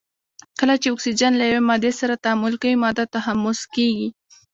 کله چې اکسیجن له یوې مادې سره تعامل کوي ماده تحمض کیږي.